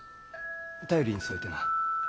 便りに添えてな。